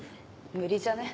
無理じゃね。